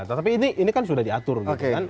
tetapi ini kan sudah diatur gitu kan